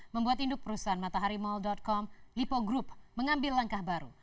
membuat induk perusahaan mataharimall com lipo group mengambil langkah baru